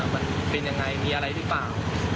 มันเป็นยังไงมีอะไรหรือเปล่า